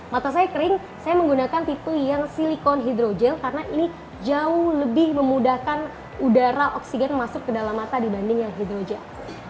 mata saya kering saya menggunakan titu yang silikon hidrogel karena ini jauh lebih memudahkan udara oksigen masuk ke dalam mata dibanding yang hidrogel